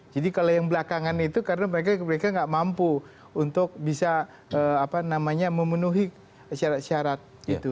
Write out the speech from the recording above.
jadi kalau yang belakangan itu karena mereka nggak mampu untuk bisa memenuhi syarat syarat itu